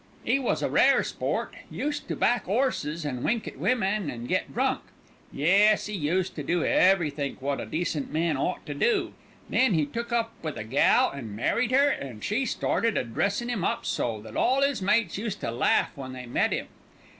"'E was a rare sport; used to back 'orses and wink at women and get drunk; yes, 'e used to do everythink wot a decent man ought to do. Then he took up with a gal an' married 'er, an' she started a dressin' 'im up so that all 'is mates used to laugh when they met 'im.